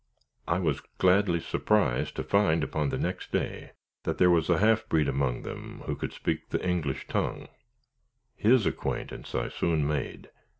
I was gladly surprised to find upon the next day, that there was a half breed among them who could speak the English tongue. His acquaintance I soon made.